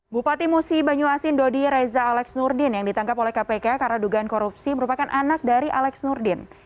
bupati musi banyu asin dodi reza alex nurdin yang ditangkap oleh kpk karena dugaan korupsi merupakan anak dari alex nurdin